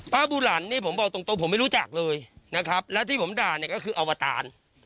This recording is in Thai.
บูหลันนี่ผมบอกตรงผมไม่รู้จักเลยนะครับแล้วที่ผมด่าเนี่ยก็คืออวตาร